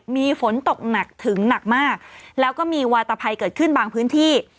มีฝนตกหนักถึงหนักมากแล้วก็มีวาตภัยเกิดขึ้นบางพื้นที่